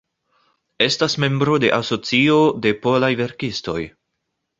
Estas membro de Asocio de Polaj Verkistoj.